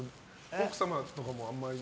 奥様とかもあんまり？